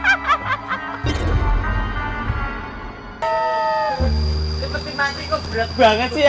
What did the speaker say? lagi lagi pak rt kok berat banget sih ya